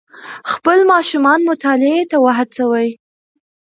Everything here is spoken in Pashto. خپل ماشومان مطالعې ته وهڅوئ.